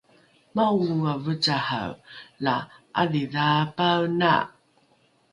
maongonga vecahae la ’adhidhaapaena